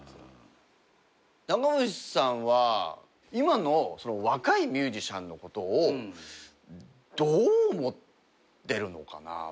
長渕さんは今の若いミュージシャンのことをどう思ってるのかな？